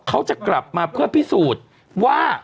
เขาจะกลับมาเพื่อพิสูจน์ว่า